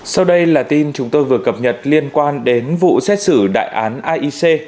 sau đây là tin chúng tôi vừa cập nhật liên quan đến vụ xét xử đại án aic